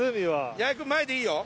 矢作くん前でいいよ。